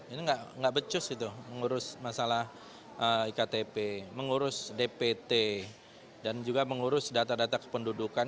ini nggak becus itu mengurus masalah iktp mengurus dpt dan juga mengurus data data kependudukan